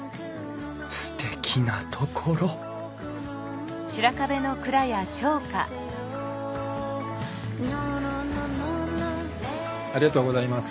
すてきな所ありがとうございます。